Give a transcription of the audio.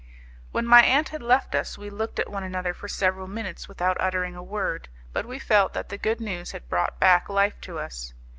"When my aunt had left us, we looked at one another for several minutes without uttering a word, but we felt that the good news had brought back life to us.